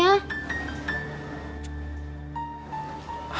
bapak nggak bisa berpikir pikir sama bu guliyola